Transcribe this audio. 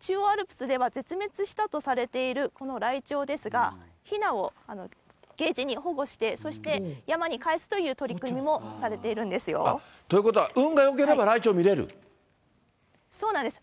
中央アルプスでは、絶滅したとされているこのライチョウですが、ひなをケージに保護して、そして山に帰すという取り組みもされてあっ、ということは、そうなんです。